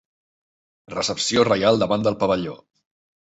Recepció reial davant del pavelló.